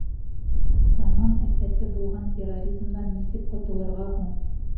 Заман афәте булған терроризмдан нисек ҡотолорға һуң?